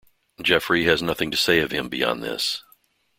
Geoffrey has nothing to say of him beyond this.